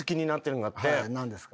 何ですか？